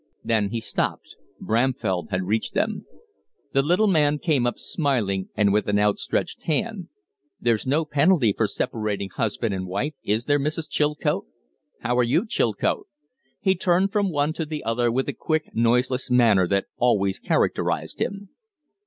Then he stopped, Bramfell had reached them. The little man came up smiling and with an outstretched hand. "There's no penalty for separating husband and wife, is there, Mrs. Chilcote? How are you, Chilcote?" He turned from one to the other with the quick, noiseless manner that always characterized him.